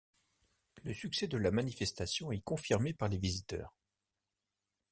Le succès de la manifestation est confirmé par les visiteurs.